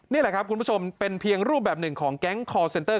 นี่แหละครับคุณผู้ชมเป็นเพียงรูปแบบหนึ่งของแก๊งคอร์เซ็นเตอร์